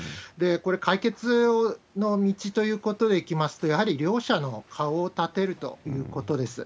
これ、解決の道ということでいきますと、やはり両者の顔を立てるということです。